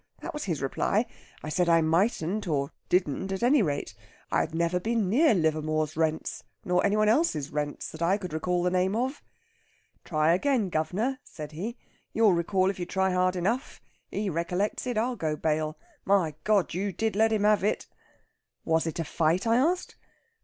that was his reply. I said I mightn't; or didn't, at any rate. I had never been near Livermore's Rents, nor any one else's rents, that I could recall the name of. 'Try again, guv'nor,' said he. 'You'll recall if you try hard enough. He recollects it, I'll go bail. My Goard! you did let him have it!' Was it a fight? I asked.